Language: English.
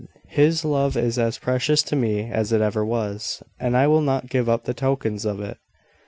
His love is as precious to me as it ever was, and I will not give up the tokens of it.